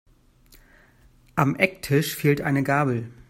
Am Ecktisch fehlt eine Gabel.